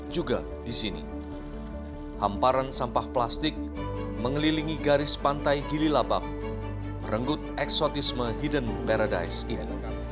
juga di sini hamparan sampah plastik mengelilingi garis pantai gililabak merenggut eksotisme hidden paradise ini